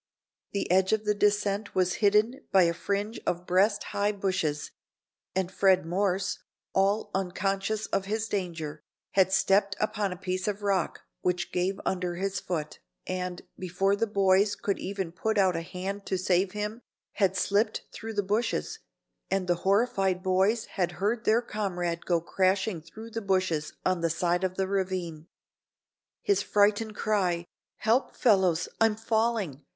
The edge of the descent was hidden by a fringe of breast high bushes, and Fred Morse, all unconscious of his danger, had stepped upon a piece of rock which gave under his foot, and, before the boys could even put out a hand to save him, had slipped through the bushes, and the horrified boys had heard their comrade go crashing through the bushes on the side of the ravine. His frightened cry, "Help, fellows, I'm falling!"